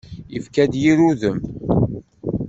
Yefka-d yir udem.